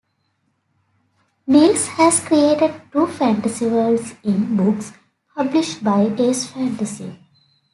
Niles has created two fantasy worlds in books published by Ace Fantasy.